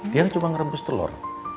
dia coba ngerebus telur